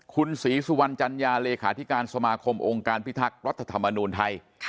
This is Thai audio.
คุณศรีสุวรรณจัญญาเลขาธิการสมาคมองค์การพิทักษ์รัฐธรรมนูลไทย